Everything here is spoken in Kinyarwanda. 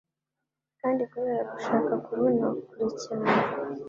kandi kubera gushaka kubona kure cyane